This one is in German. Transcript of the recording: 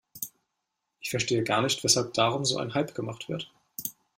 Ich verstehe gar nicht, weshalb darum so ein Hype gemacht wird.